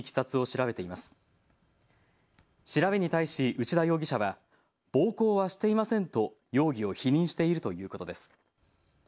調べに対し、内田容疑者は暴行はしていませんと容疑を否認しているということです。